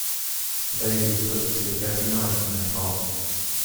The baby was put to sleep every night in her cot